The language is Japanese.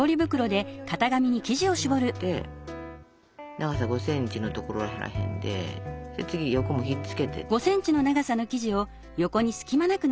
長さ５ｃｍのところらへんで次横もひっつけてって下さい。